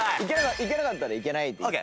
いけなかったらいけないって。